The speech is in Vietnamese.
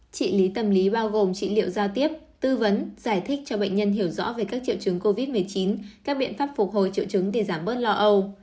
trị lý tâm lý bao gồm trị liệu giao tiếp tư vấn giải thích cho bệnh nhân hiểu rõ về các triệu chứng covid một mươi chín các biện pháp phục hồi triệu chứng để giảm bớt lo âu